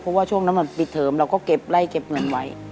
เพราะว่าช่วงนั้นปีเทิมเราก็กำไรเทิมไห่